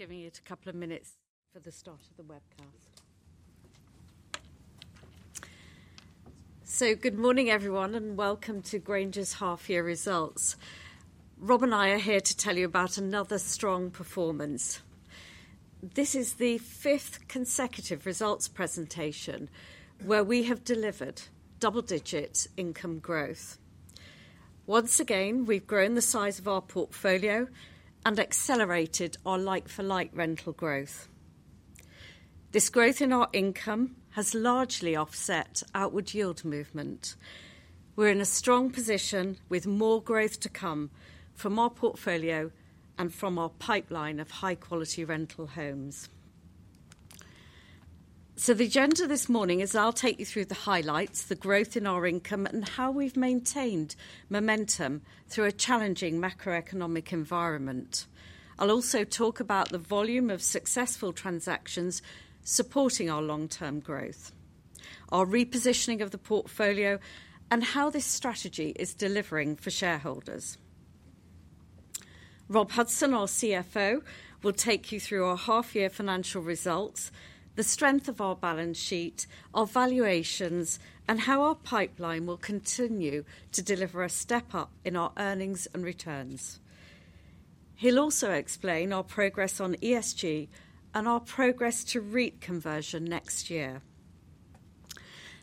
Giving it a couple of minutes for the start of the webcast. So good morning, everyone, and welcome to Grainger's half year results. Rob and I are here to tell you about another strong performance. This is the fifth consecutive results presentation where we have delivered double digit income growth. Once again, we've grown the size of our portfolio and accelerated our like-for-like rental growth. This growth in our income has largely offset outward yield movement. We're in a strong position, with more growth to come from our portfolio and from our pipeline of high quality rental homes. So the agenda this morning is, I'll take you through the highlights, the growth in our income, and how we've maintained momentum through a challenging macroeconomic environment. I'll also talk about the volume of successful transactions supporting our long-term growth, our repositioning of the portfolio, and how this strategy is delivering for shareholders. Rob Hudson, our CFO, will take you through our half year financial results, the strength of our balance sheet, our valuations, and how our pipeline will continue to deliver a step up in our earnings and returns. He'll also explain our progress on ESG and our progress to REIT conversion next year.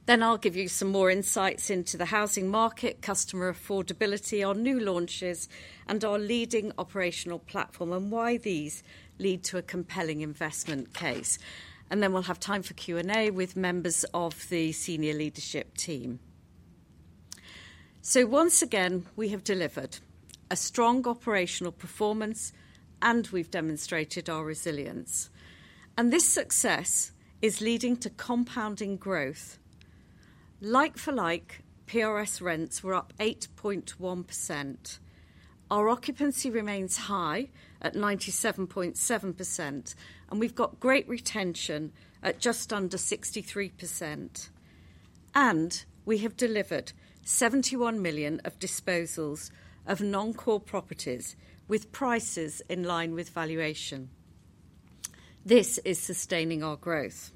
Then I'll give you some more insights into the housing market, customer affordability, our new launches, and our leading operational platform, and why these lead to a compelling investment case. And then we'll have time for Q&A with members of the senior leadership team. So once again, we have delivered a strong operational performance, and we've demonstrated our resilience, and this success is leading to compounding growth. Like for like, PRS rents were up 8.1%. Our occupancy remains high at 97.7%, and we've got great retention at just under 63%. We have delivered 71 million of disposals of non-core properties, with prices in line with valuation. This is sustaining our growth.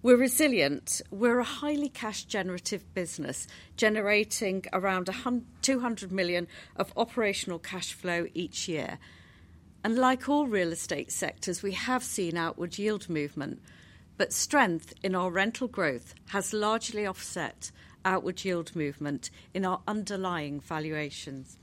We're resilient. We're a highly cash generative business, generating around 200 million of operational cash flow each year. Like all real estate sectors, we have seen outward yield movement, but strength in our rental growth has largely offset outward yield movement in our underlying valuations.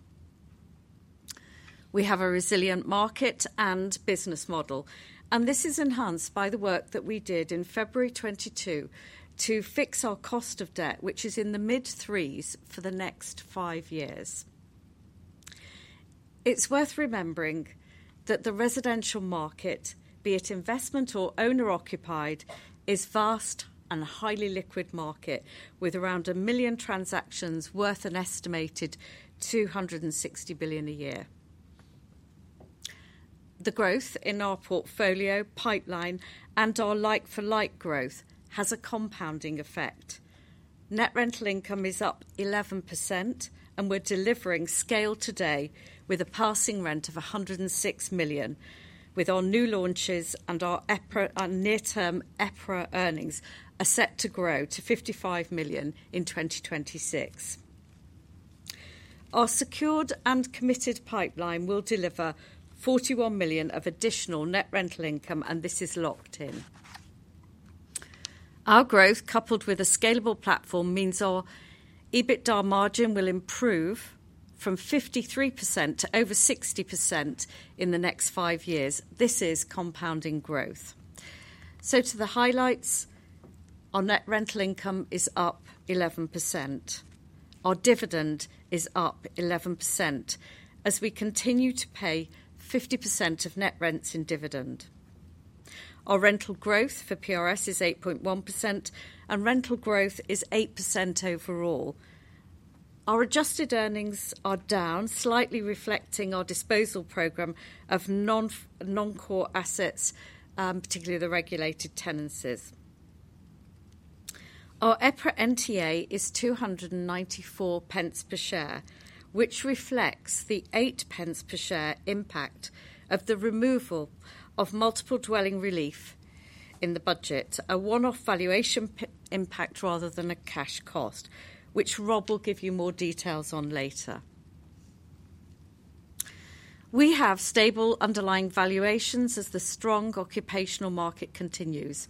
We have a resilient market and business model, and this is enhanced by the work that we did in February 2022 to fix our cost of debt, which is in the mid threes for the next five years. It's worth remembering that the residential market, be it investment or owner occupied, is vast and a highly liquid market, with around 1 million transactions worth an estimated 260 billion a year. The growth in our portfolio, pipeline, and our like-for-like growth has a compounding effect. Net rental income is up 11%, and we're delivering scale today with a passing rent of 106 million, with our new launches and our EPRA—our near-term EPRA earnings are set to grow to 55 million in 2026. Our secured and committed pipeline will deliver 41 million of additional net rental income, and this is locked in. Our growth, coupled with a scalable platform, means our EBITDA margin will improve from 53% to over 60% in the next five years. This is compounding growth. So to the highlights, our net rental income is up 11%. Our dividend is up 11%, as we continue to pay 50% of net rents in dividend. Our rental growth for PRS is 8.1%, and rental growth is 8% overall. Our adjusted earnings are down slightly, reflecting our disposal program of non-core assets, particularly the regulated tenancies. Our EPRA NTA is 294 pence per share, which reflects the 8 pence per share impact of the removal of Multiple Dwellings Relief in the Budget, a one-off valuation impact rather than a cash cost, which Rob will give you more details on later. We have stable underlying valuations as the strong occupational market continues.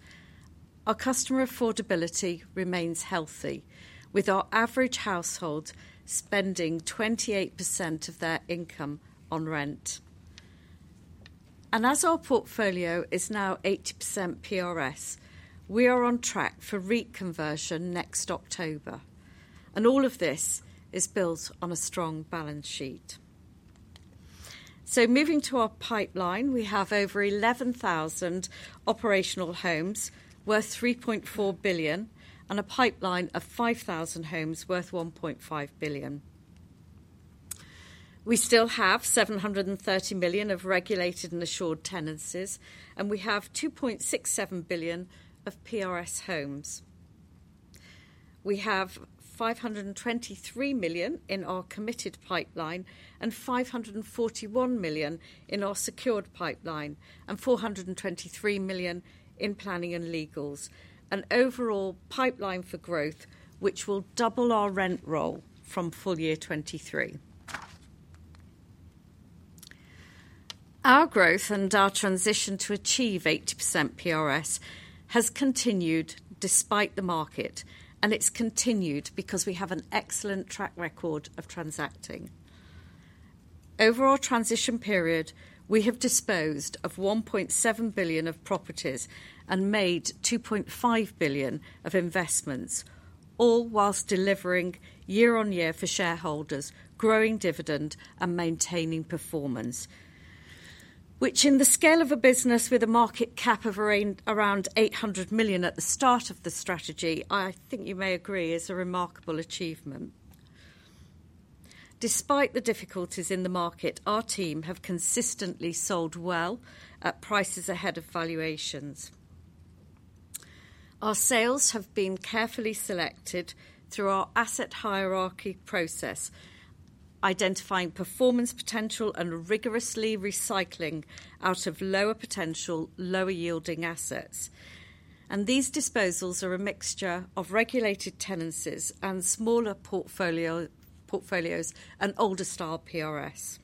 Our customer affordability remains healthy, with our average household spending 28% of their income on rent. As our portfolio is now 80% PRS, we are on track for REIT conversion next October, and all of this is built on a strong balance sheet. Moving to our pipeline, we have over 11,000 operational homes worth 3.4 billion, and a pipeline of 5,000 homes worth 1.5 billion. We still have 730 million of regulated and assured tenancies, and we have 2.67 billion of PRS homes. We have 523 million in our committed pipeline, and 541 million in our secured pipeline, and 423 million in planning and legals. An overall pipeline for growth, which will double our rent roll from full year 2023. Our growth and our transition to achieve 80% PRS has continued despite the market, and it's continued because we have an excellent track record of transacting. Over our transition period, we have disposed of 1.7 billion of properties and made 2.5 billion of investments, all while delivering year-on-year for shareholders, growing dividend, and maintaining performance, which in the scale of a business with a market cap of around 800 million at the start of the strategy, I think you may agree, is a remarkable achievement. Despite the difficulties in the market, our team have consistently sold well at prices ahead of valuations. Our sales have been carefully selected through our asset hierarchy process, identifying performance potential and rigorously recycling out of lower potential, lower yielding assets. These disposals are a mixture of regulated tenancies and smaller portfolios and older style PRS.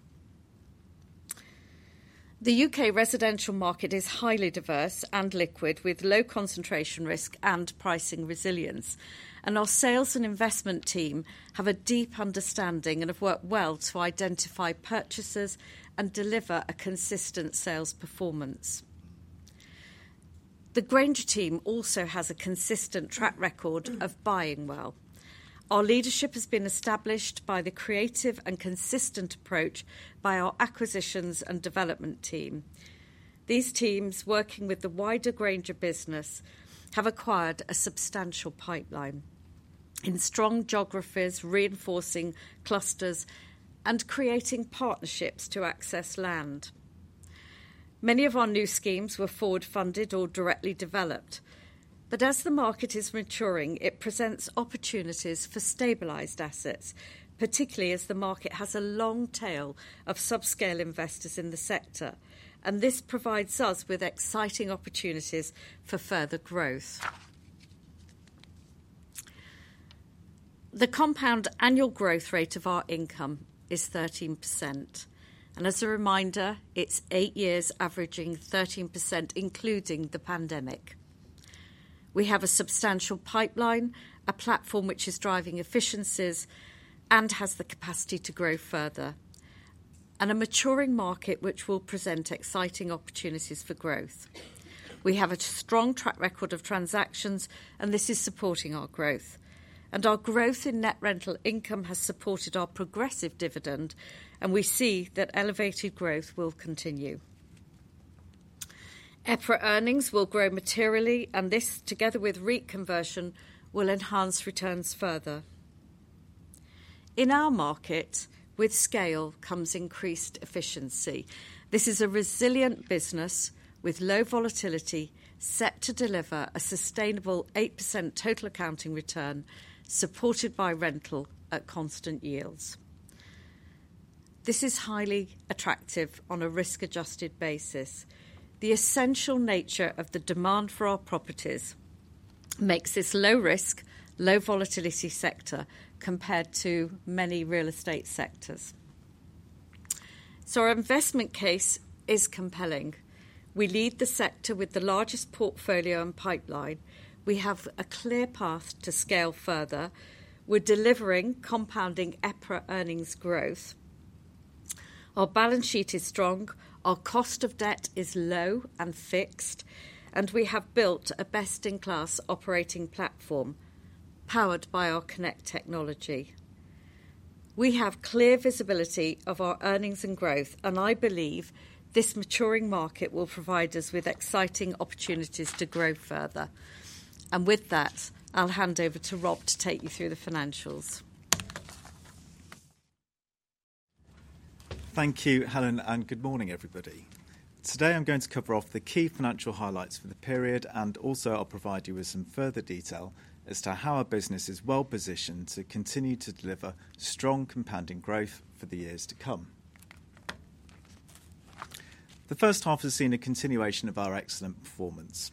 The UK residential market is highly diverse and liquid, with low concentration risk and pricing resilience. Our sales and investment team have a deep understanding and have worked well to identify purchasers and deliver a consistent sales performance. The Grainger team also has a consistent track record of buying well. Our leadership has been established by the creative and consistent approach by our acquisitions and development team. These teams, working with the wider Grainger business, have acquired a substantial pipeline in strong geographies, reinforcing clusters, and creating partnerships to access land. Many of our new schemes were forward funded or directly developed. As the market is maturing, it presents opportunities for stabilized assets, particularly as the market has a long tail of subscale investors in the sector, and this provides us with exciting opportunities for further growth. The compound annual growth rate of our income is 13%, and as a reminder, it's 8 years averaging 13%, including the pandemic. We have a substantial pipeline, a platform which is driving efficiencies and has the capacity to grow further, and a maturing market which will present exciting opportunities for growth. We have a strong track record of transactions, and this is supporting our growth. And our growth in net rental income has supported our progressive dividend, and we see that elevated growth will continue. EPRA earnings will grow materially, and this, together with REIT conversion, will enhance returns further. In our market, with scale comes increased efficiency. This is a resilient business with low volatility, set to deliver a sustainable 8% total accounting return, supported by rental at constant yields. This is highly attractive on a risk-adjusted basis. The essential nature of the demand for our properties makes this low risk, low volatility sector compared to many real estate sectors. So our investment case is compelling. We lead the sector with the largest portfolio and pipeline. We have a clear path to scale further. We're delivering compounding EPRA earnings growth. Our balance sheet is strong, our cost of debt is low and fixed, and we have built a best-in-class operating platform, powered by our Connect technology. We have clear visibility of our earnings and growth, and I believe this maturing market will provide us with exciting opportunities to grow further. And with that, I'll hand over to Rob to take you through the financials. Thank you, Helen, and good morning, everybody. Today, I'm going to cover off the key financial highlights for the period, and also I'll provide you with some further detail as to how our business is well positioned to continue to deliver strong compounding growth for the years to come. The first half has seen a continuation of our excellent performance.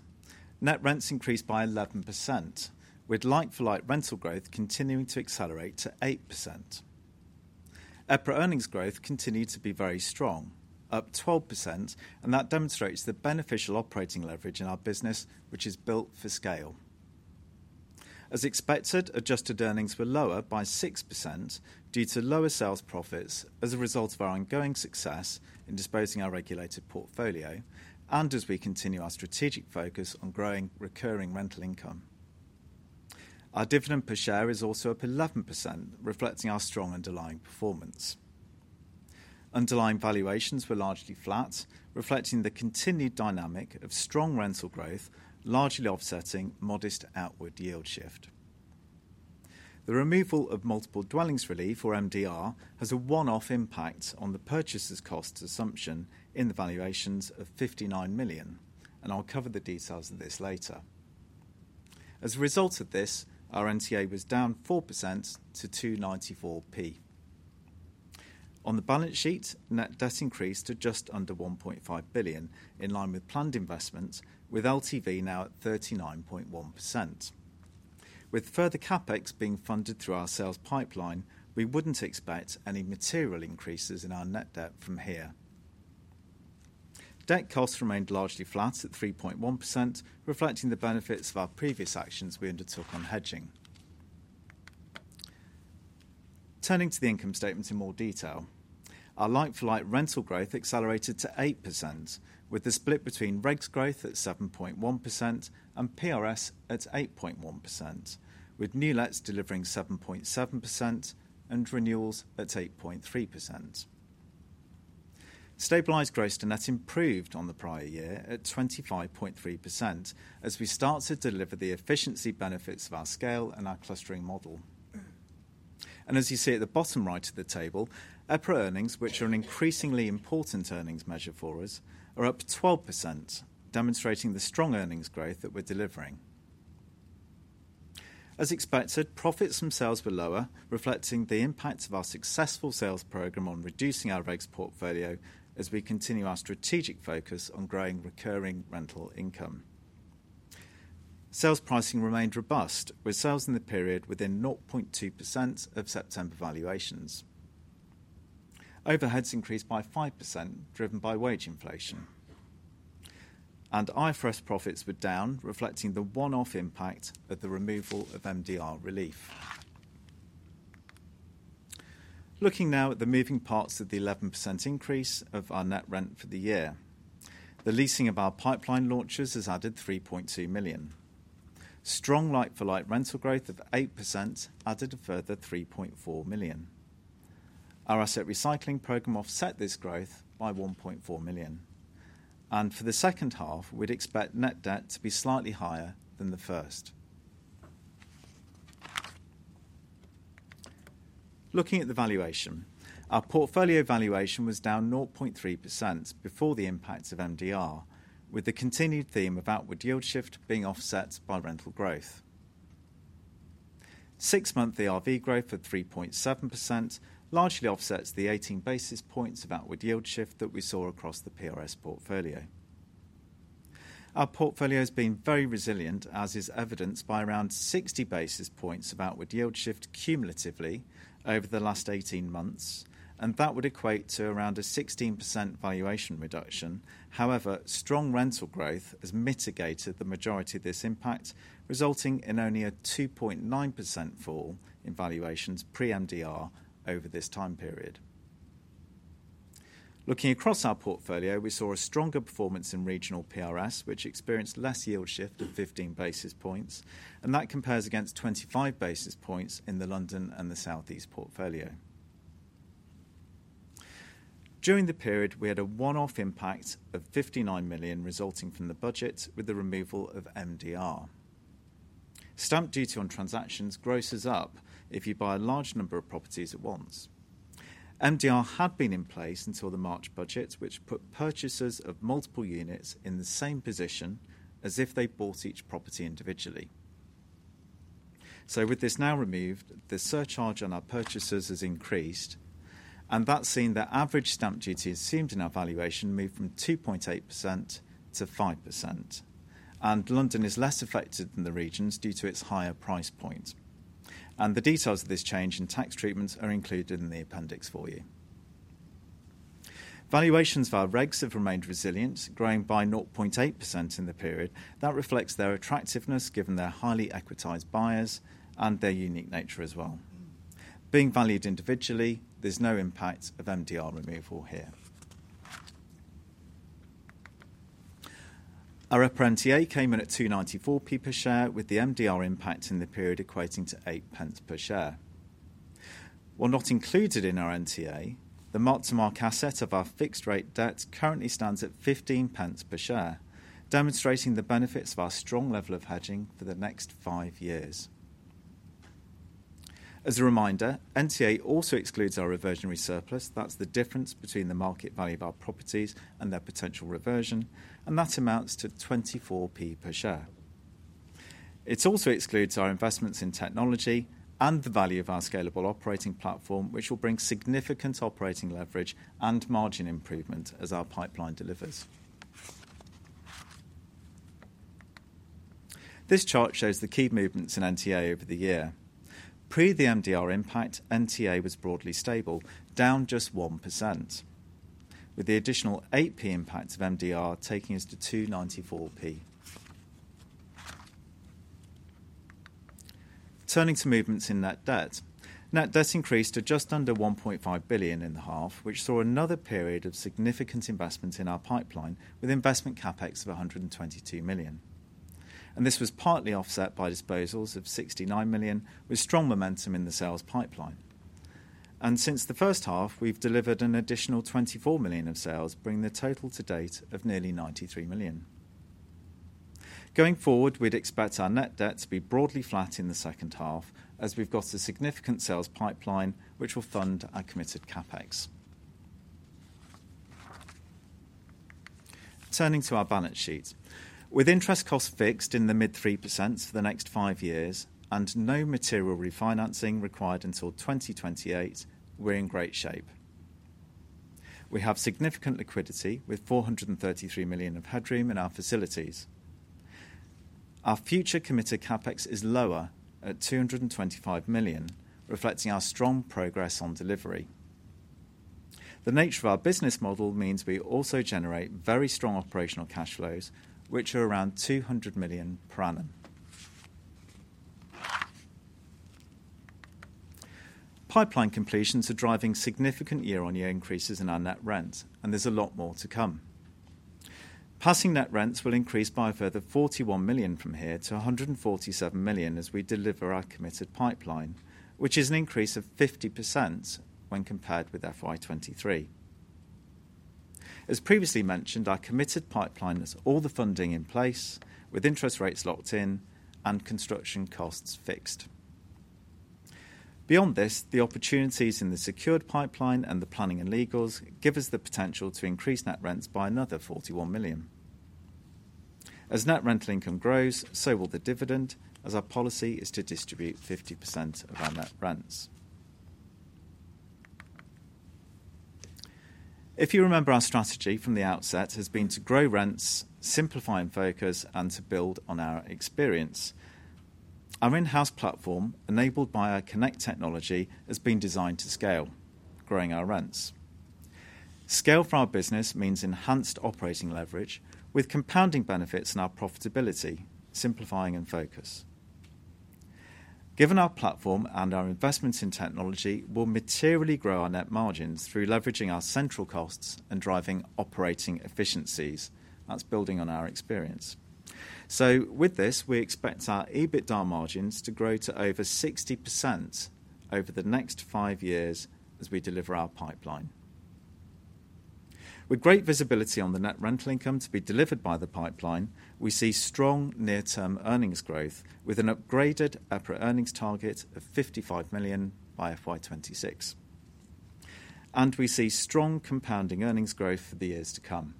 Net rents increased by 11%, with like-for-like rental growth continuing to accelerate to 8%. EPRA earnings growth continued to be very strong, up 12%, and that demonstrates the beneficial operating leverage in our business, which is built for scale. As expected, adjusted earnings were lower by 6% due to lower sales profits as a result of our ongoing success in disposing our regulated portfolio and as we continue our strategic focus on growing recurring rental income. Our dividend per share is also up 11%, reflecting our strong underlying performance. Underlying valuations were largely flat, reflecting the continued dynamic of strong rental growth, largely offsetting modest outward yield shift. The removal of Multiple Dwellings Relief, or MDR, has a one-off impact on the purchaser's cost assumption in the valuations of 59 million, and I'll cover the details of this later. As a result of this, our NTA was down 4% to 294p. On the balance sheet, net debt increased to just under 1.5 billion, in line with planned investments, with LTV now at 39.1%. With further CapEx being funded through our sales pipeline, we wouldn't expect any material increases in our net debt from here. Debt costs remained largely flat at 3.1%, reflecting the benefits of our previous actions we undertook on hedging. Turning to the income statement in more detail. Our like-for-like rental growth accelerated to 8%, with the split between regs growth at 7.1% and PRS at 8.1%, with new lets delivering 7.7% and renewals at 8.3%. Stabilized gross to net improved on the prior year at 25.3%, as we start to deliver the efficiency benefits of our scale and our clustering model. And as you see at the bottom right of the table, EPRA earnings, which are an increasingly important earnings measure for us, are up 12%, demonstrating the strong earnings growth that we're delivering. As expected, profits from sales were lower, reflecting the impacts of our successful sales program on reducing our regs portfolio as we continue our strategic focus on growing recurring rental income. Sales pricing remained robust, with sales in the period within 0.2% of September valuations. Overheads increased by 5%, driven by wage inflation. IFRS profits were down, reflecting the one-off impact of the removal of MDR relief. Looking now at the moving parts of the 11% increase of our net rent for the year. The leasing of our pipeline launches has added 3.2 million. Strong like-for-like rental growth of 8% added a further 3.4 million. Our asset recycling program offset this growth by 1.4 million, and for the second half, we'd expect net debt to be slightly higher than the first. Looking at the valuation. Our portfolio valuation was down 0.3% before the impact of MDR, with the continued theme of outward yield shift being offset by rental growth. 6-month ERV growth of 3.7% largely offsets the 18 basis points of outward yield shift that we saw across the PRS portfolio. Our portfolio has been very resilient, as is evidenced by around 60 basis points of outward yield shift cumulatively over the last 18 months, and that would equate to around a 16% valuation reduction. However, strong rental growth has mitigated the majority of this impact, resulting in only a 2.9% fall in valuations pre-MDR over this time period. Looking across our portfolio, we saw a stronger performance in regional PRS, which experienced less yield shift of 15 basis points, and that compares against 25 basis points in the London and the Southeast portfolio. During the period, we had a one-off impact of 59 million resulting from the budget with the removal of MDR. Stamp duty on transactions grosses up if you buy a large number of properties at once. MDR had been in place until the March budget, which put purchasers of multiple units in the same position as if they bought each property individually. With this now removed, the surcharge on our purchases has increased, and that's seen the average stamp duty assumed in our valuation move from 2.8% to 5%, and London is less affected than the regions due to its higher price point. The details of this change in tax treatment are included in the appendix for you. Valuations via regs have remained resilient, growing by 0.8% in the period. That reflects their attractiveness, given their highly equitized buyers and their unique nature as well. Being valued individually, there's no impact of MDR removal here. Our EPRA NTA came in at 294p per share, with the MDR impact in the period equating to 8p per share. While not included in our NTA, the mark-to-market asset of our fixed-rate debt currently stands at 15p per share, demonstrating the benefits of our strong level of hedging for the next 5 years. As a reminder, NTA also excludes our reversionary surplus. That's the difference between the market value of our properties and their potential reversion, and that amounts to 24p per share. It also excludes our investments in technology and the value of our scalable operating platform, which will bring significant operating leverage and margin improvement as our pipeline delivers. This chart shows the key movements in NTA over the year. Pre the MDR impact, NTA was broadly stable, down just 1%, with the additional 8p impact of MDR taking us to 294p. Turning to movements in net debt. Net debt increased to just under 1.5 billion in the half, which saw another period of significant investment in our pipeline, with investment CapEx of 122 million. And this was partly offset by disposals of 69 million, with strong momentum in the sales pipeline. And since the first half, we've delivered an additional 24 million of sales, bringing the total to date of nearly 93 million. Going forward, we'd expect our net debt to be broadly flat in the second half, as we've got a significant sales pipeline, which will fund our committed CapEx. Turning to our balance sheet. With interest costs fixed in the mid 3% for the next 5 years, and no material refinancing required until 2028, we're in great shape. We have significant liquidity, with 433 million of headroom in our facilities. Our future committed CapEx is lower, at 225 million, reflecting our strong progress on delivery. The nature of our business model means we also generate very strong operational cash flows, which are around 200 million per annum. Pipeline completions are driving significant year-on-year increases in our net rent, and there's a lot more to come. Passing net rents will increase by a further 41 million from here to 147 million as we deliver our committed pipeline, which is an increase of 50% when compared with FY 2023. As previously mentioned, our committed pipeline has all the funding in place, with interest rates locked in and construction costs fixed. Beyond this, the opportunities in the secured pipeline and the planning and legals give us the potential to increase net rents by another 41 million. As net rental income grows, so will the dividend, as our policy is to distribute 50% of our net rents. If you remember, our strategy from the outset has been to grow rents, simplify and focus, and to build on our experience. Our in-house platform, enabled by our Connect technology, has been designed to scale, growing our rents. Scale for our business means enhanced operating leverage, with compounding benefits in our profitability, simplifying and focus. Given our platform and our investments in technology, we'll materially grow our net margins through leveraging our central costs and driving operating efficiencies. That's building on our experience. With this, we expect our EBITDA margins to grow to over 60% over the next 5 years as we deliver our pipeline. With great visibility on the net rental income to be delivered by the pipeline, we see strong near-term earnings growth, with an upgraded EPRA earnings target of 55 million by FY 2026. We see strong compounding earnings growth for the years to come.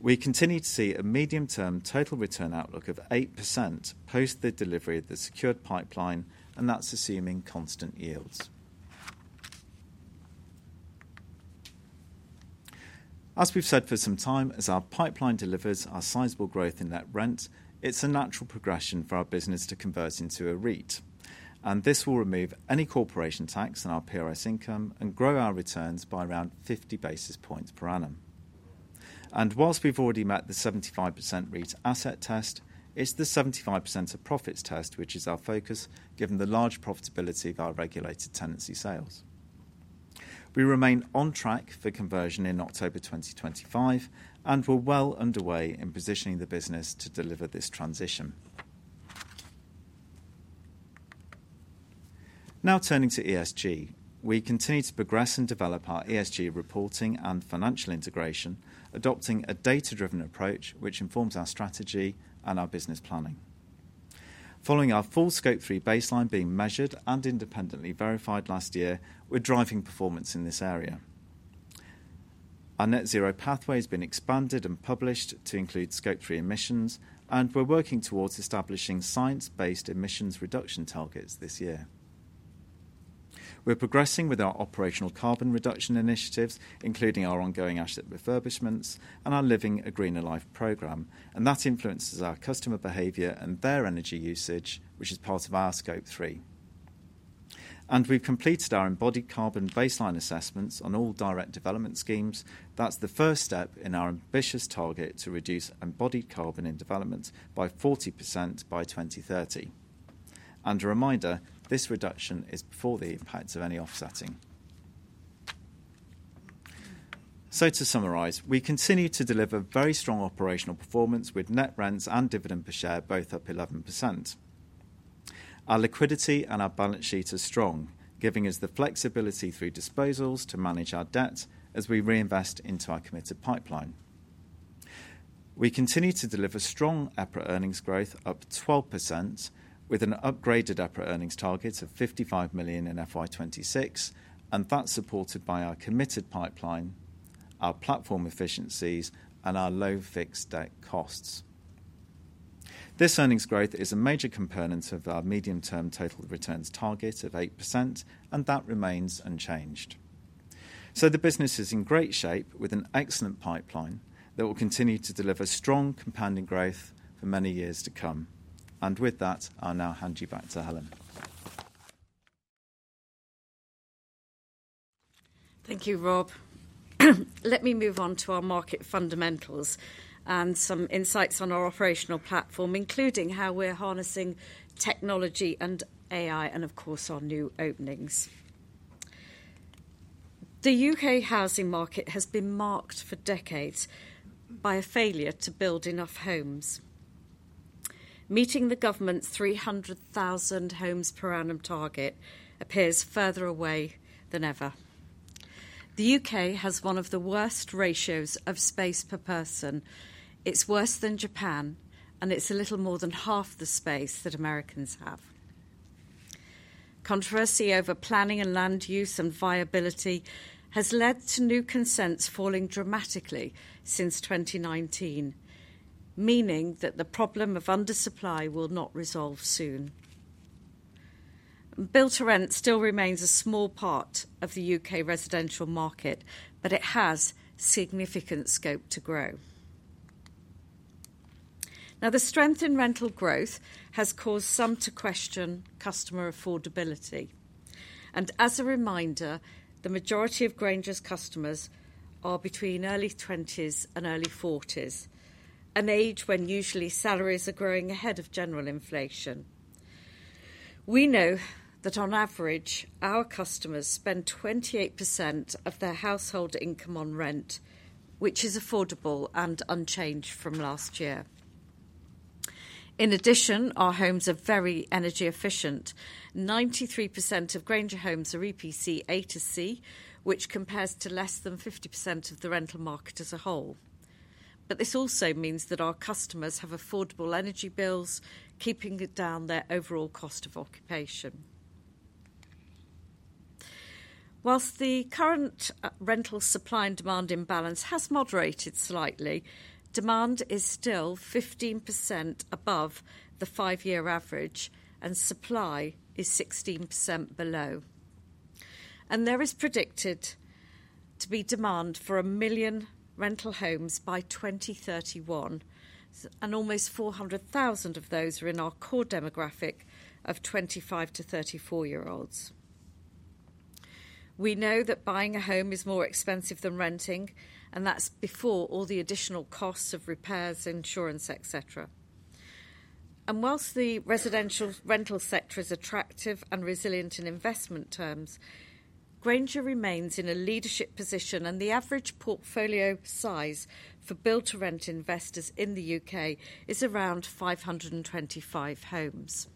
We continue to see a medium-term total return outlook of 8% post the delivery of the secured pipeline, and that's assuming constant yields. As we've said for some time, as our pipeline delivers our sizable growth in net rent, it's a natural progression for our business to convert into a REIT, and this will remove any corporation tax on our PRS income and grow our returns by around 50 basis points per annum. While we've already met the 75% REITs asset test, it's the 75% of profits test, which is our focus, given the large profitability of our regulated tenancy sales. We remain on track for conversion in October 2025, and we're well underway in positioning the business to deliver this transition. Now, turning to ESG. We continue to progress and develop our ESG reporting and financial integration, adopting a data-driven approach, which informs our strategy and our business planning. Following our full Scope 3 baseline being measured and independently verified last year, we're driving performance in this area. Our Net Zero pathway has been expanded and published to include Scope 3 emissions, and we're working towards establishing science-based emissions reduction targets this year. We're progressing with our operational carbon reduction initiatives, including our ongoing asset refurbishments and our Living a Greener Life program, and that influences our customer behavior and their energy usage, which is part of our Scope 3. We've completed our embodied carbon baseline assessments on all direct development schemes. That's the first step in our ambitious target to reduce embodied carbon in development by 40% by 2030. A reminder, this reduction is before the impact of any offsetting. To summarize, we continue to deliver very strong operational performance with net rents and dividend per share, both up 11%. Our liquidity and our balance sheet are strong, giving us the flexibility through disposals to manage our debt as we reinvest into our committed pipeline. We continue to deliver strong EPRA earnings growth up 12%, with an upgraded EPRA earnings target of 55 million in FY 2026, and that's supported by our committed pipeline, our platform efficiencies, and our low fixed debt costs. This earnings growth is a major component of our medium-term total returns target of 8%, and that remains unchanged. So the business is in great shape, with an excellent pipeline that will continue to deliver strong compounding growth for many years to come. And with that, I'll now hand you back to Helen. Thank you, Rob. Let me move on to our market fundamentals and some insights on our operational platform, including how we're harnessing technology and AI, and of course, our new openings. The U.K. housing market has been marked for decades by a failure to build enough homes.... Meeting the government's 300,000 homes per annum target appears further away than ever. The U.K. has one of the worst ratios of space per person. It's worse than Japan, and it's a little more than half the space that Americans have. Controversy over planning and land use and viability has led to new consents falling dramatically since 2019, meaning that the problem of undersupply will not resolve soon. Build-to-rent still remains a small part of the U.K. residential market, but it has significant scope to grow. Now, the strength in rental growth has caused some to question customer affordability, and as a reminder, the majority of Grainger's customers are between early twenties and early forties, an age when usually salaries are growing ahead of general inflation. We know that on average, our customers spend 28% of their household income on rent, which is affordable and unchanged from last year. In addition, our homes are very energy efficient. 93% of Grainger homes are EPC A to C, which compares to less than 50% of the rental market as a whole. But this also means that our customers have affordable energy bills, keeping down their overall cost of occupation. While the current rental supply and demand imbalance has moderated slightly, demand is still 15% above the 5-year average, and supply is 16% below. There is predicted to be demand for 1 million rental homes by 2031, and almost 400,000 of those are in our core demographic of 25- to 34-year-olds. We know that buying a home is more expensive than renting, and that's before all the additional costs of repairs, insurance, et cetera. While the residential rental sector is attractive and resilient in investment terms, Grainger remains in a leadership position, and the average portfolio size for build to rent investors in the UK is around 525 homes.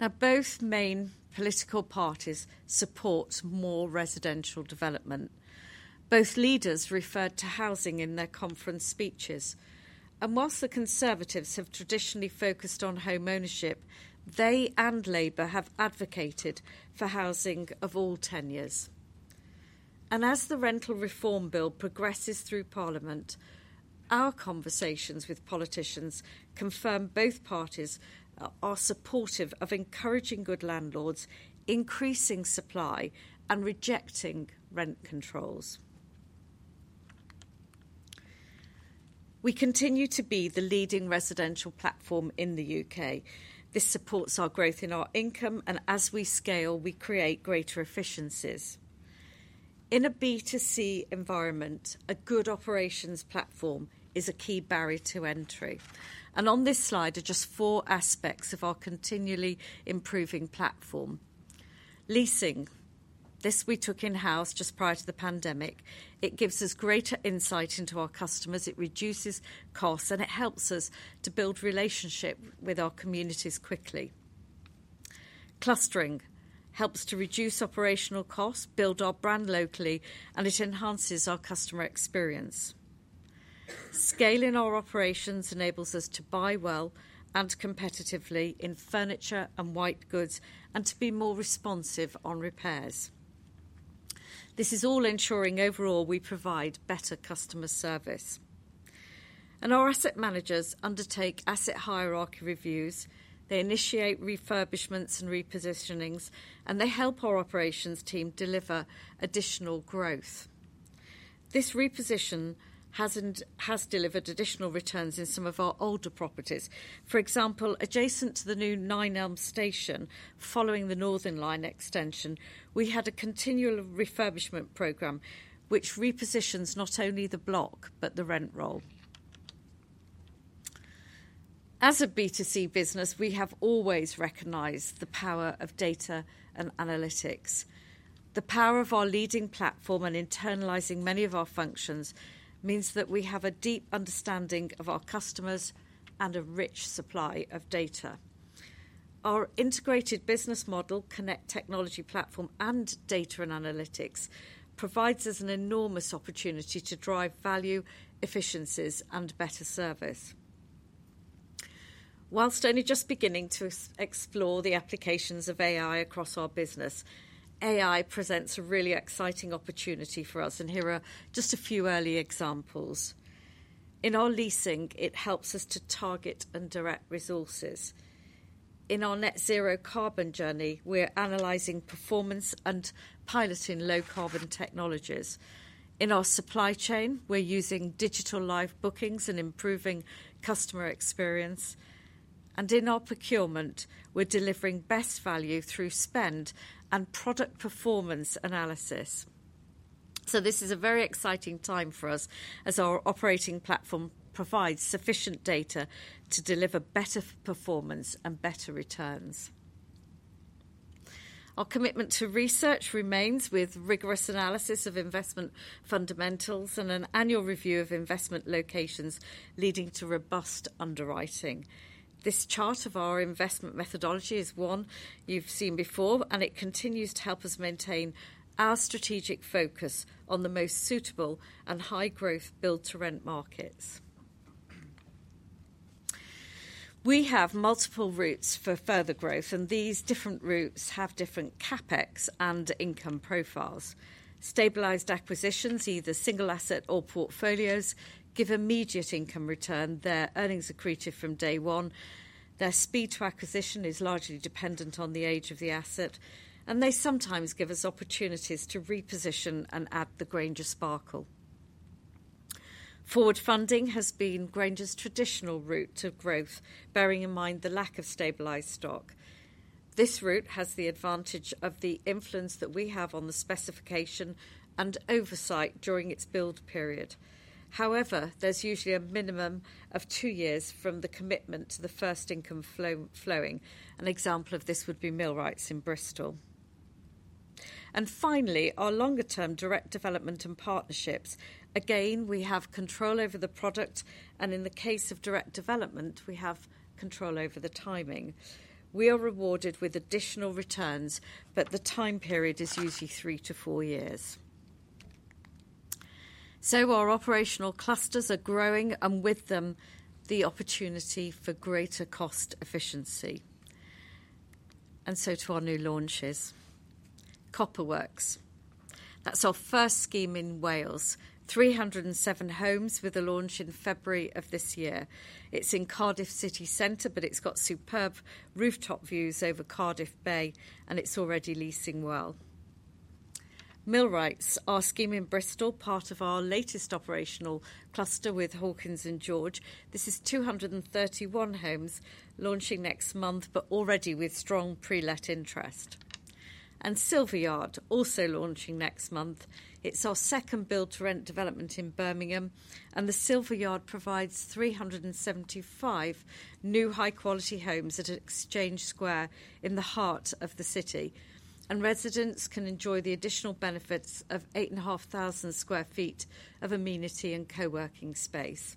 Now, both main political parties support more residential development. Both leaders referred to housing in their conference speeches, and while the Conservatives have traditionally focused on home ownership, they and Labour have advocated for housing of all tenures. As the Rental Reform Bill progresses through Parliament, our conversations with politicians confirm both parties are supportive of encouraging good landlords, increasing supply, and rejecting rent controls. We continue to be the leading residential platform in the UK. This supports our growth in our income, and as we scale, we create greater efficiencies. In a B2C environment, a good operations platform is a key barrier to entry, and on this slide are just four aspects of our continually improving platform. Leasing. This we took in-house just prior to the pandemic. It gives us greater insight into our customers, it reduces costs, and it helps us to build relationship with our communities quickly. Clustering helps to reduce operational costs, build our brand locally, and it enhances our customer experience. Scaling our operations enables us to buy well and competitively in furniture and white goods, and to be more responsive on repairs. This is all ensuring overall we provide better customer service. Our asset managers undertake asset hierarchy reviews, they initiate refurbishments and repositionings, and they help our operations team deliver additional growth. This reposition has delivered additional returns in some of our older properties. For example, adjacent to the new Nine Elms Station, following the Northern Line extension, we had a continual refurbishment program, which repositions not only the block, but the rent roll. As a B2C business, we have always recognized the power of data and analytics. The power of our leading platform and internalizing many of our functions means that we have a deep understanding of our customers and a rich supply of data. Our integrated business model, Connect technology platform, and data and analytics provides us an enormous opportunity to drive value, efficiencies, and better service. While only just beginning to explore the applications of AI across our business, AI presents a really exciting opportunity for us, and here are just a few early examples. In our leasing, it helps us to target and direct resources. In our net zero carbon journey, we're analyzing performance and piloting low carbon technologies. In our supply chain, we're using digital live bookings and improving customer experience. And in our procurement, we're delivering best value through spend and product performance analysis. So this is a very exciting time for us, as our operating platform provides sufficient data to deliver better performance and better returns. Our commitment to research remains with rigorous analysis of investment fundamentals and an annual review of investment locations, leading to robust underwriting. This chart of our investment methodology is one you've seen before, and it continues to help us maintain our strategic focus on the most suitable and high-growth build-to-rent markets. We have multiple routes for further growth, and these different routes have different CapEx and income profiles. Stabilized acquisitions, either single asset or portfolios, give immediate income return. Their earnings accretive from day one. Their speed to acquisition is largely dependent on the age of the asset, and they sometimes give us opportunities to reposition and add the Grainger sparkle. Forward funding has been Grainger's traditional route to growth, bearing in mind the lack of stabilized stock. This route has the advantage of the influence that we have on the specification and oversight during its build period. However, there's usually a minimum of two years from the commitment to the first income flow, flowing. An example of this would be Millwrights in Bristol. Finally, our longer-term direct development and partnerships. Again, we have control over the product, and in the case of direct development, we have control over the timing. We are rewarded with additional returns, but the time period is usually 3-4 years. Our operational clusters are growing, and with them, the opportunity for greater cost efficiency. And so to our new launches. Copperworks, that's our first scheme in Wales. 307 homes with a launch in February of this year. It's in Cardiff City Center, but it's got superb rooftop views over Cardiff Bay, and it's already leasing well. Millwrights, our scheme in Bristol, part of our latest operational cluster with Hawkins & George. This is 231 homes launching next month, but already with strong pre-let interest. And Silver Yard, also launching next month. It's our second build-to-rent development in Birmingham, and the Silver Yard provides 375 new high-quality homes at Exchange Square in the heart of the city. Residents can enjoy the additional benefits of 8,500 sq ft of amenity and co-working space.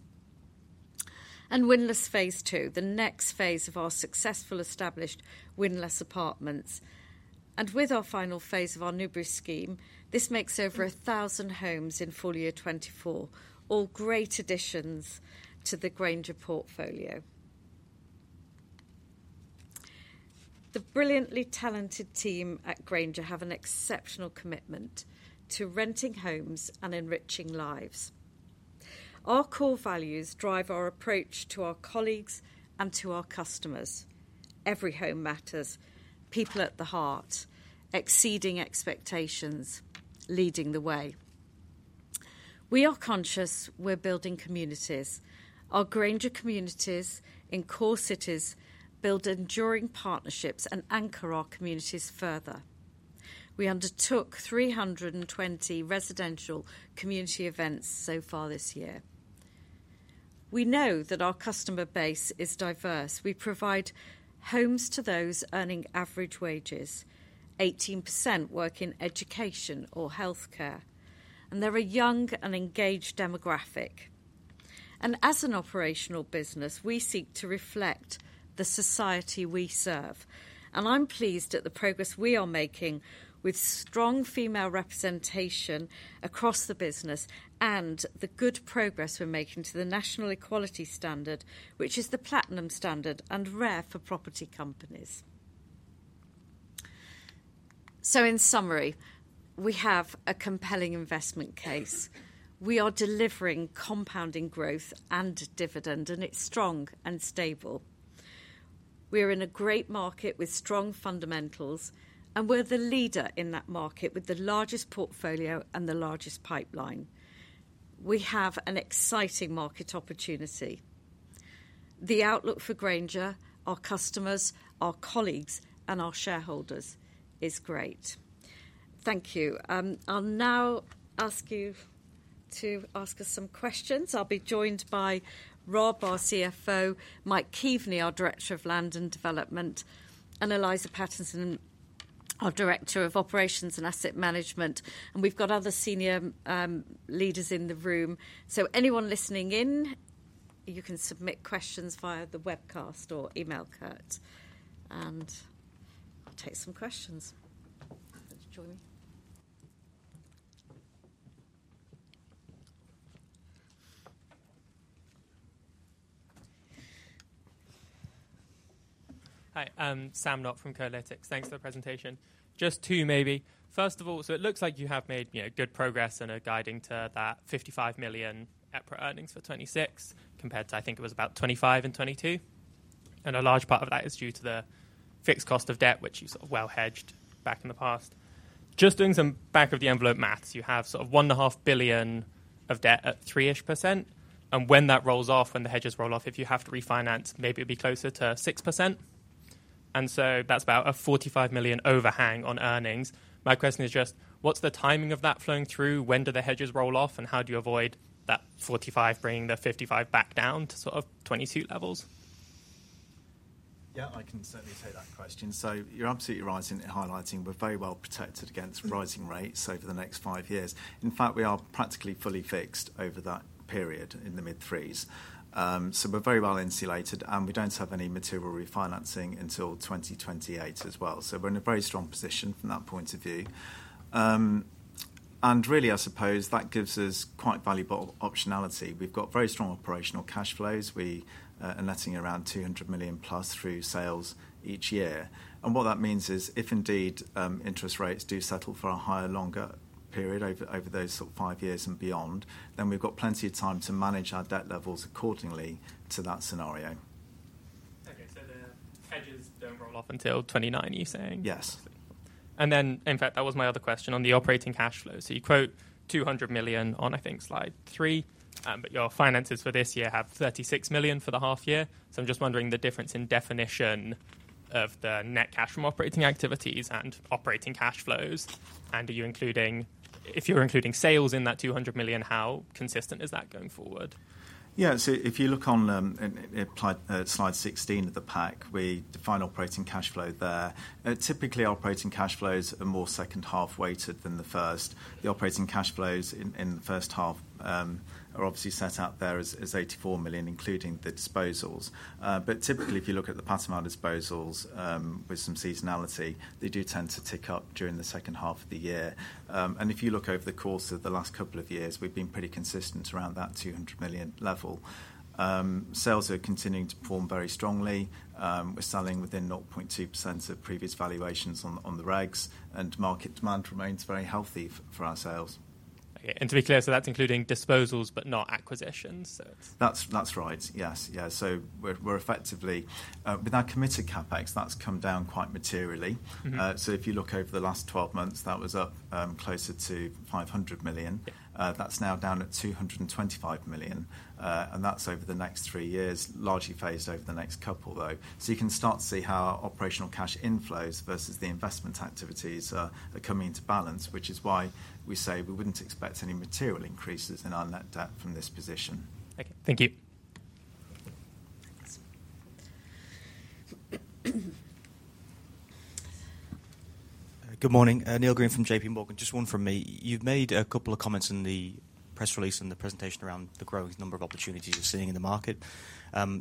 Windlass Phase 2, the next phase of our successful established Windlass apartments. With our final phase of our Newbury scheme, this makes over 1,000 homes in full year 2024. All great additions to the Grainger portfolio. The brilliantly talented team at Grainger have an exceptional commitment to renting homes and enriching lives. Our core values drive our approach to our colleagues and to our customers. Every home matters, people at the heart, exceeding expectations, leading the way. We are conscious we're building communities. Our Grainger communities in core cities build enduring partnerships and anchor our communities further. We undertook 320 residential community events so far this year. We know that our customer base is diverse. We provide homes to those earning average wages. 18% work in education or healthcare, and they're a young and engaged demographic. As an operational business, we seek to reflect the society we serve, and I'm pleased at the progress we are making with strong female representation across the business and the good progress we're making to the National Equality Standard, which is the platinum standard and rare for property companies. In summary, we have a compelling investment case. We are delivering compounding growth and dividend, and it's strong and stable. We are in a great market with strong fundamentals, and we're the leader in that market with the largest portfolio and the largest pipeline. We have an exciting market opportunity. The outlook for Grainger, our customers, our colleagues, and our shareholders is great. Thank you. I'll now ask you to ask us some questions. I'll be joined by Rob, our CFO; Mike Keaveney, our Director of Land and Development; and Eliza Pattinson, our Director of Operations and Asset Management. We've got other senior leaders in the room. Anyone listening in, you can submit questions via the webcast or email Kurt, and I'll take some questions. Want to join me? Hi, Sam Knott from Kolytics. Thanks for the presentation. Just two, maybe. First of all, so it looks like you have made, you know, good progress and are guiding to that 55 million EPRA earnings for 2026, compared to, I think it was about 25 million in 2022. And a large part of that is due to the fixed cost of debt, which you sort of well hedged back in the past. Just doing some back-of-the-envelope math, you have sort of 1.5 billion of debt at 3%-ish, and when that rolls off, when the hedges roll off, if you have to refinance, maybe it'd be closer to 6%. And so that's about a 45 million overhang on earnings. My question is just: What's the timing of that flowing through? When do the hedges roll off, and how do you avoid that 45 bringing the 55 back down to sort of 22 levels?... Yeah, I can certainly take that question. So you're absolutely right in highlighting we're very well protected against rising rates over the next 5 years. In fact, we are practically fully fixed over that period in the mid-3s. So we're very well insulated, and we don't have any material refinancing until 2028 as well. So we're in a very strong position from that point of view. And really, I suppose that gives us quite valuable optionality. We've got very strong operational cash flows. We are netting around 200 million+ through sales each year, and what that means is if indeed interest rates do settle for a higher, longer period over those sort of 5 years and beyond, then we've got plenty of time to manage our debt levels accordingly to that scenario. Okay, so the hedges don't roll off until 2029, you're saying? Yes. Then, in fact, that was my other question on the operating cash flow. You quote 200 million on, I think, slide 3, but your finances for this year have 36 million for the half year. I'm just wondering the difference in definition of the net cash from operating activities and operating cash flows. Are you including, if you're including sales in that 200 million, how consistent is that going forward? Yeah. So if you look on in slide 16 of the pack, we define operating cash flow there. Typically, operating cash flows are more second half weighted than the first. The operating cash flows in the first half are obviously set out there as 84 million, including the disposals. But typically, if you look at the past disposals, with some seasonality, they do tend to tick up during the second half of the year. And if you look over the course of the last couple of years, we've been pretty consistent around that 200 million level. Sales are continuing to perform very strongly. We're selling within 0.2% of previous valuations on the regs, and market demand remains very healthy for our sales. Okay, and to be clear, so that's including disposals but not acquisitions, so it's- That's, that's right. Yes. Yeah, so we're, we're effectively. With our committed CapEx, that's come down quite materially. Mm-hmm. If you look over the last 12 months, that was up, closer to 500 million. Yeah. That's now down at 225 million, and that's over the next three years, largely phased over the next couple, though. So you can start to see how operational cash inflows versus the investment activities are coming into balance, which is why we say we wouldn't expect any material increases in our net debt from this position. Okay. Thank you. Yes. Good morning, Neil Green from J.P. Morgan. Just one from me. You've made a couple of comments in the press release and the presentation around the growing number of opportunities you're seeing in the market.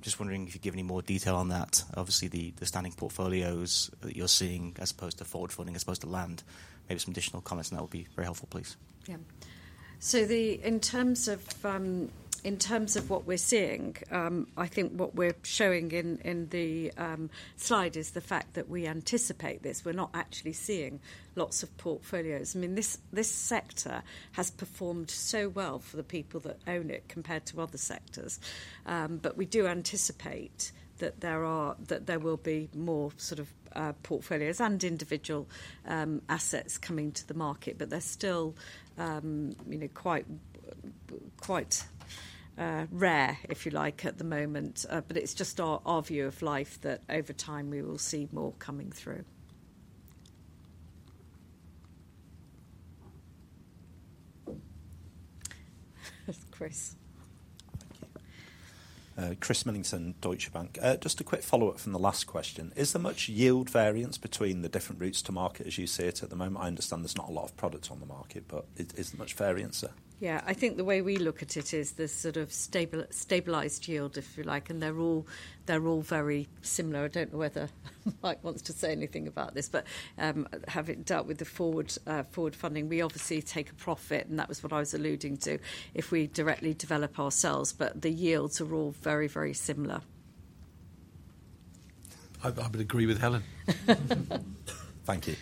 Just wondering if you'd give any more detail on that. Obviously, the standing portfolios that you're seeing as opposed to forward funding, as opposed to land. Maybe some additional comments, and that would be very helpful, please. Yeah. So, in terms of what we're seeing, I think what we're showing in the slide is the fact that we anticipate this. We're not actually seeing lots of portfolios. I mean, this sector has performed so well for the people that own it compared to other sectors. But we do anticipate that there will be more sort of portfolios and individual assets coming to the market. But they're still, you know, quite rare, if you like, at the moment. But it's just our view of life that over time, we will see more coming through. Chris? Thank you. Chris Millington, Deutsche Bank. Just a quick follow-up from the last question: Is there much yield variance between the different routes to market as you see it at the moment? I understand there's not a lot of product on the market, but is there much variance there? Yeah, I think the way we look at it is there's sort of stable- stabilized yield, if you like, and they're all, they're all very similar. I don't know whether Mike wants to say anything about this, but, having dealt with the forward, forward funding, we obviously take a profit, and that was what I was alluding to, if we directly develop ourselves, but the yields are all very, very similar. I would agree with Helen. Thank you.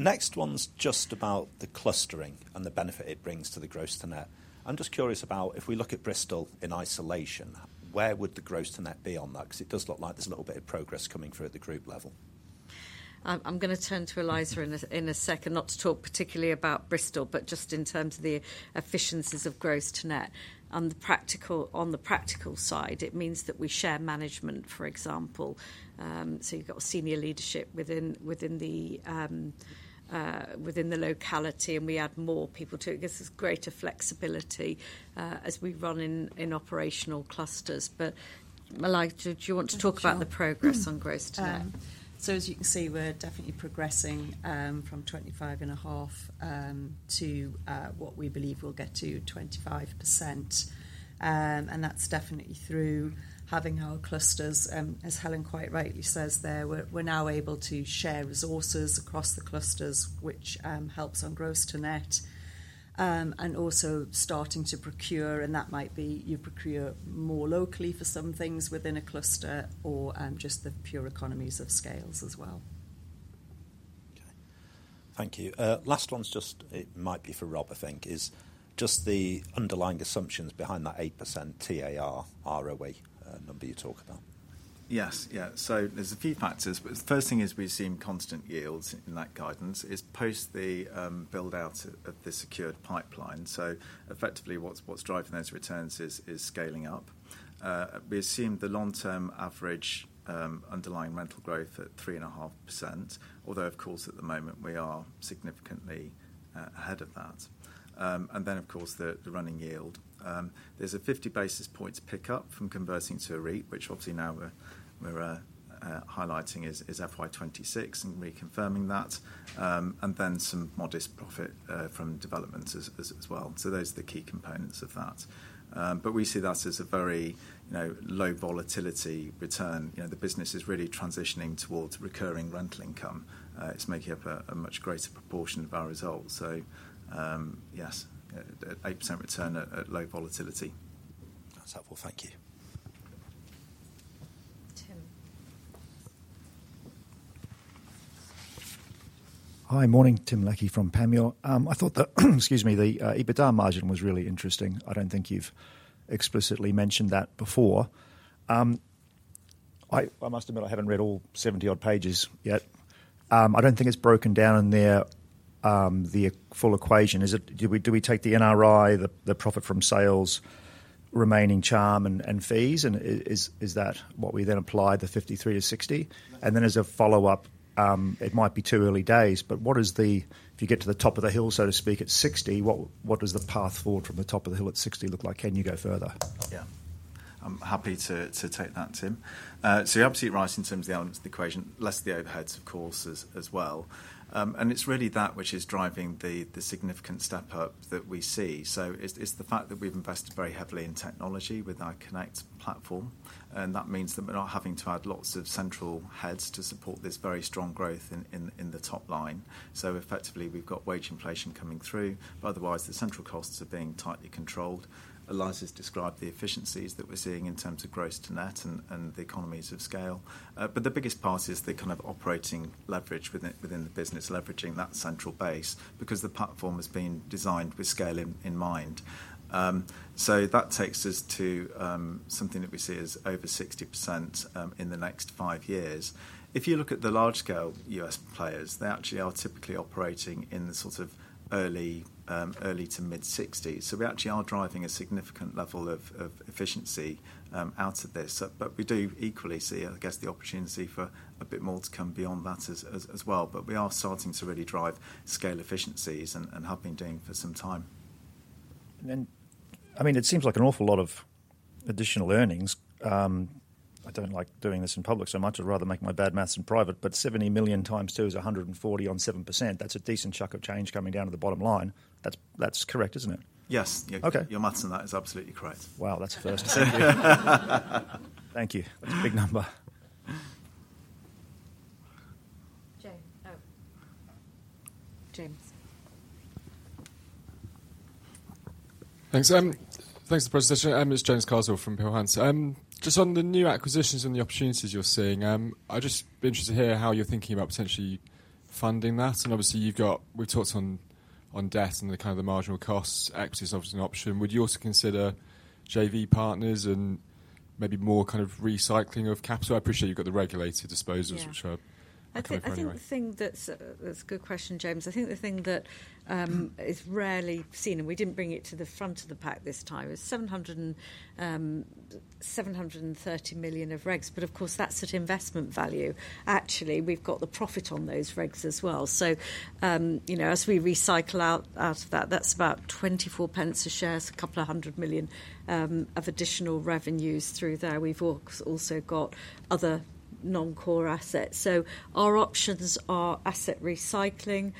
Next one's just about the clustering and the benefit it brings to the Gross to Net. I'm just curious about, if we look at Bristol in isolation, where would the Gross to Net be on that? 'Cause it does look like there's a little bit of progress coming through at the group level. I'm gonna turn to Eliza in a second, not to talk particularly about Bristol, but just in terms of the efficiencies of gross to net. On the practical side, it means that we share management, for example, so you've got senior leadership within the locality, and we add more people to it. It gives us greater flexibility as we run in operational clusters. But, Eliza, do you want to talk about the progress on gross to net? So as you can see, we're definitely progressing from 25.5 to what we believe we'll get to 25%. And that's definitely through having our clusters, as Helen quite rightly says there. We're, we're now able to share resources across the clusters, which helps on Gross to Net, and also starting to procure, and that might be you procure more locally for some things within a cluster or just the pure economies of scale as well. Okay. Thank you. Last one's just... It might be for Rob, I think, is just the underlying assumptions behind that 8% TAR ROA number you talk about.... Yes, yeah. So there's a few factors, but the first thing is we've seen constant yields in that guidance, is post the build out of the secured pipeline. So effectively, what's driving those returns is scaling up. We assumed the long-term average underlying rental growth at 3.5%. Although, of course, at the moment we are significantly ahead of that. And then, of course, the running yield. There's a 50 basis points pickup from converting to a REIT, which obviously now we're highlighting is FY 2026 and reconfirming that. And then some modest profit from developments as well. So those are the key components of that. But we see that as a very, you know, low volatility return. You know, the business is really transitioning towards recurring rental income. It's making up a much greater proportion of our results. So, yes, 8% return at low volatility. That's helpful. Thank you. Tim. Hi, morning, Tim Leckie from Panmure. I thought that, excuse me, the EBITDA margin was really interesting. I don't think you've explicitly mentioned that before. I must admit, I haven't read all 70-odd pages yet. I don't think it's broken down in there, the full equation. Is it? Do we take the NRI, the profit from sales, remaining CHRM and fees, and is that what we then apply the 53-60? And then as a follow-up, it might be too early days, but what is the? If you get to the top of the hill, so to speak, at 60, what does the path forward from the top of the hill at 60 look like? Can you go further? Yeah. I'm happy to, to take that, Tim. So you're absolutely right in terms of the elements of the equation, less the overheads, of course, as, as well. And it's really that which is driving the, the significant step up that we see. So it's, it's the fact that we've invested very heavily in technology with our Connect platform, and that means that we're not having to add lots of central heads to support this very strong growth in, in, in the top line. So effectively, we've got wage inflation coming through, but otherwise, the central costs are being tightly controlled. Eliza described the efficiencies that we're seeing in terms of gross to net and, and the economies of scale. But the biggest part is the kind of operating leverage within the business, leveraging that central base, because the platform has been designed with scaling in mind. So that takes us to something that we see as over 60% in the next five years. If you look at the large-scale U.S. players, they actually are typically operating in the sort of early- to mid-60s. So we actually are driving a significant level of efficiency out of this, but we do equally see, I guess, the opportunity for a bit more to come beyond that as well. But we are starting to really drive scale efficiencies and have been doing for some time. I mean, it seems like an awful lot of additional earnings. I don't like doing this in public so much. I'd rather make my bad math in private, but 70 million × 2 is 140 million on 7%. That's a decent chunk of change coming down to the bottom line. That's, that's correct, isn't it? Yes. Okay. Your math on that is absolutely correct. Wow, that's a first. Thank you. That's a big number. Jane, oh, James. Thanks. Thanks for the presentation. It's James Carswell from Peel Hunt. Just on the new acquisitions and the opportunities you're seeing, I'd just be interested to hear how you're thinking about potentially funding that. And obviously, you've got. We've talked on debt and the kind of marginal costs. Equity is obviously an option. Would you also consider JV partners and maybe more kind of recycling of capital? I appreciate you've got the regulated disposals- Yeah... which are coming anyway. I think, I think the thing that's. That's a good question, James. I think the thing that is rarely seen, and we didn't bring it to the front of the pack this time, is 730 million of regs, but of course, that's at investment value. Actually, we've got the profit on those regs as well. So, you know, as we recycle out of that, that's about 24 pence a share. It's a couple of hundred million of additional revenues through there. We've also got other non-core assets. So our options are asset recycling,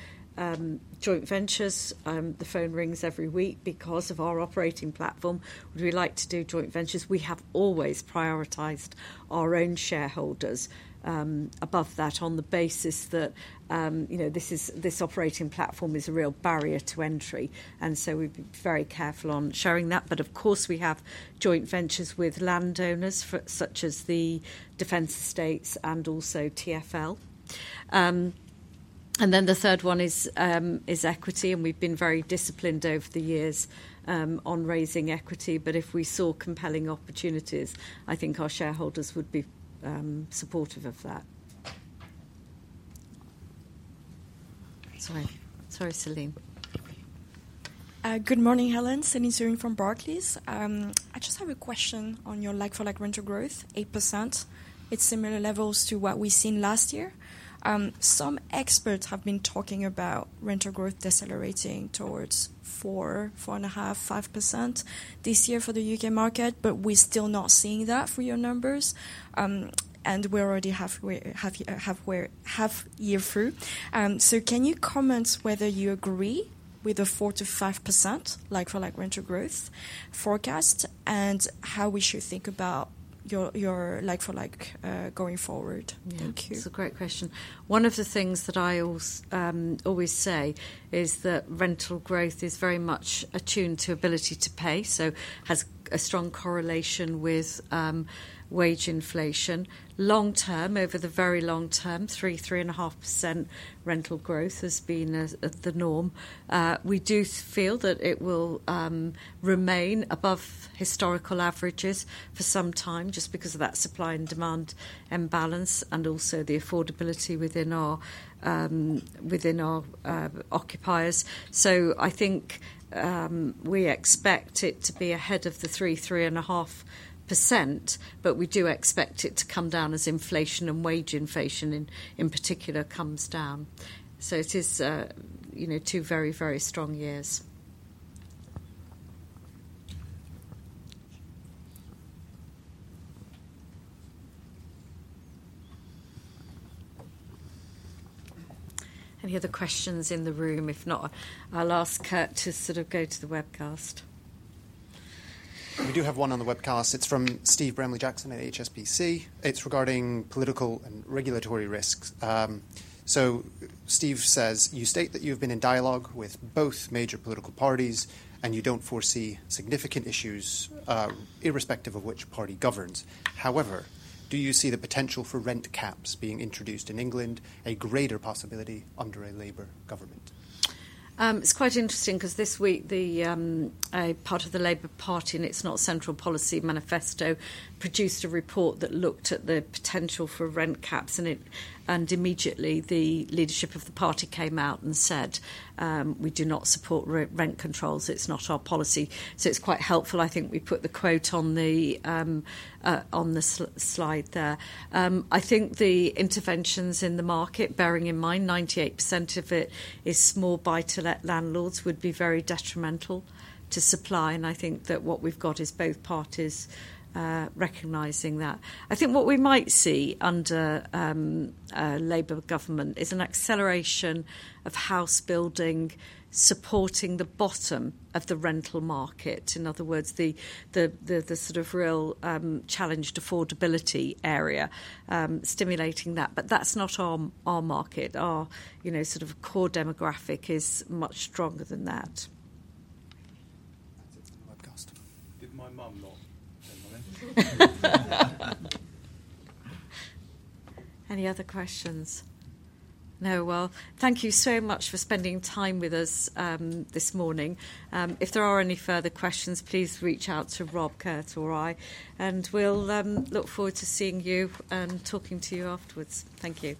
joint ventures. The phone rings every week because of our operating platform. Would we like to do joint ventures? We have always prioritized our own shareholders above that, on the basis that, you know, this operating platform is a real barrier to entry, and so we've been very careful on showing that. But of course, we have joint ventures with landowners for such as the Defense Estates and also TfL. And then the third one is equity, and we've been very disciplined over the years on raising equity. But if we saw compelling opportunities, I think our shareholders would be supportive of that. Sorry. Sorry, Celine. Good morning, Helen. Celine Soo-Huynh from Barclays. I just have a question on your like-for-like rental growth, 8%. It's similar levels to what we've seen last year. Some experts have been talking about rental growth decelerating towards 4, 4.5, 5% this year for the UK market, but we're still not seeing that for your numbers. And we're already halfway through the half year. So can you comment whether you agree with the 4%-5% like-for-like rental growth forecast, and how we should think about your like-for-like going forward? Thank you. Yeah, it's a great question. One of the things that I always say is that rental growth is very much attuned to ability to pay, so has a strong correlation with wage inflation. Long term, over the very long term, 3%-3.5% rental growth has been the norm. We do feel that it will remain above historical averages for some time just because of that supply and demand imbalance, and also the affordability within our occupiers. So I think we expect it to be ahead of the 3%-3.5%, but we do expect it to come down as inflation and wage inflation, in particular, comes down. So it is, you know, two very, very strong years. Any other questions in the room? If not, I'll ask Kurt to sort of go to the webcast. We do have one on the webcast. It's from Steve Bramley-Jackson at HSBC. It's regarding political and regulatory risks. So Steve says, "You state that you've been in dialogue with both major political parties, and you don't foresee significant issues, irrespective of which party governs. However, do you see the potential for rent caps being introduced in England, a greater possibility under a Labour government? It's quite interesting 'cause this week, a part of the Labour Party, and it's not central policy manifesto, produced a report that looked at the potential for rent caps, and immediately, the leadership of the party came out and said, "We do not support rent controls. It's not our policy." So it's quite helpful. I think we put the quote on the slide there. I think the interventions in the market, bearing in mind 98% of it is small buy-to-let landlords, would be very detrimental to supply, and I think that what we've got is both parties recognizing that. I think what we might see under a Labour government is an acceleration of house building, supporting the bottom of the rental market. In other words, the sort of real challenged affordability area, stimulating that, but that's not our market. Our, you know, sort of core demographic is much stronger than that. That's it for the webcast. Did my mum not get mine? Any other questions? No. Well, thank you so much for spending time with us, this morning. If there are any further questions, please reach out to Rob, Kurt, or I, and we'll look forward to seeing you and talking to you afterwards. Thank you.